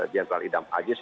jenderal idham ajis